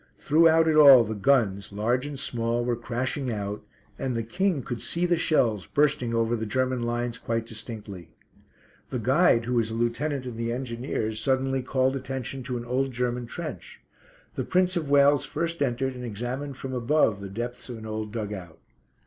Throughout it all the guns, large and small, were crashing out, and the King could see the shells bursting over the German lines quite distinctly. The guide, who was a lieutenant in the Engineers, suddenly called attention to an old German trench. The Prince of Wales first entered and examined from above the depths of an old dug out.